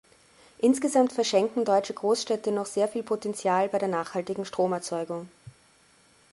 Insgesamt verschenken deutsche Großstädte noch sehr viel Potenzial bei der nachhaltigen Stromerzeugung.